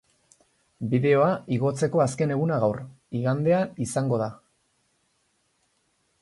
Bideoa igotzeko azken eguna gaur, igandea izango da.